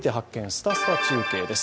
すたすた中継」です。